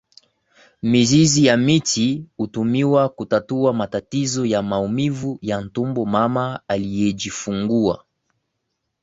Mizizi ya miti hutumiwa kutatua matatizo ya maumivu ya tumbo mama aliyejifungua